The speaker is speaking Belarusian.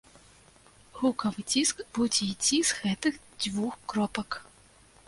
Гукавы ціск будзе ісці з гэтых дзвюх кропак.